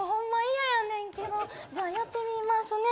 嫌やねんけどじゃやってみますね